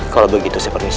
kalau begitu saya permisi